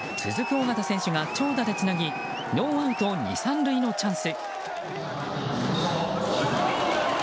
尾形選手が長打でつなぎノーアウト２、３塁のチャンス。